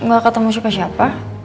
gak ketemu suka siapa